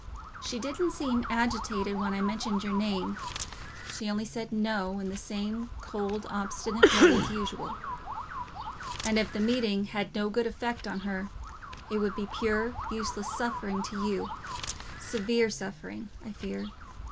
She didn't seem agitated when I mentioned your name; she only said 'No,' in the same cold, obstinate way as usual. And if the meeting had no good effect on her, it would be pure, useless suffering to you—severe suffering, I fear.